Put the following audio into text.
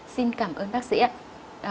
xin cảm ơn bác sĩ ạ